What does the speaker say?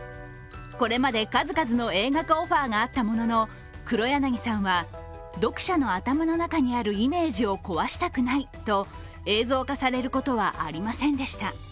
これまで数々の映画化オファーがあったものの黒柳さんは読者の頭の中にあるイメージを壊したくないと、映像化されることはありませんでした。